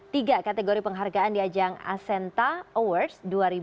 tiga kategori penghargaan di ajang ascenta awards dua ribu tujuh belas